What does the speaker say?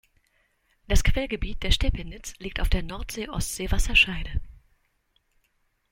Das Quellgebiet der Stepenitz liegt auf der Nordsee-Ostsee-Wasserscheide.